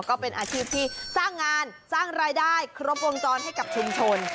ก็เป็นอาชีพที่สร้างงานสร้างรายได้ครบวงจรให้กับชุมชน